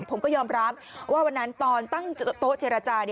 ผมก็ยอมรับว่าวันนั้นตอนตั้งโต๊ะเจรจา